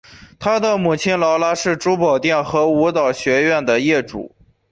她的母亲劳拉是珠宝店和舞蹈学校的业主。